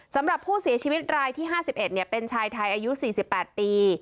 สำหรับผู้เสียชีวิตรายที่๕๑เป็นชายไทยอายุ๔๘ปี